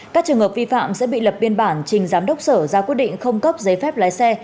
các trường hợp vi phạm sẽ bị lập biên bản trình giám đốc sở ra quyết định không cấp giấy phép lái xe